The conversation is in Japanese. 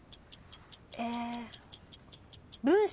え。